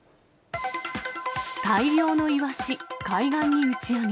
大量のイワシ、海岸に打ち上げ。